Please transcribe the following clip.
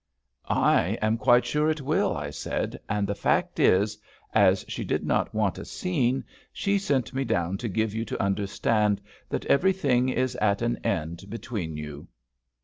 "I am quite sure it will," I said; "and the fact is, as she did not want a scene, she sent me down to give you to understand that everything is at an end between you.